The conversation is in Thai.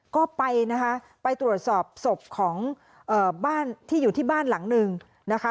ก็ไปนะคะไปตรวจสอบศพของบ้านที่อยู่ที่บ้านหลังหนึ่งนะคะ